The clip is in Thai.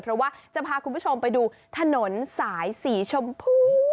เพราะว่าจะพาคุณผู้ชมไปดูถนนสายสีชมพู